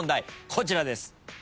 こちらです。